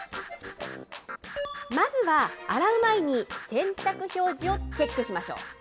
まずは洗う前に洗濯表示をチェックしましょう。